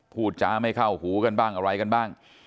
จ้าไม่เข้าหูกันบ้างอะไรกันบ้าง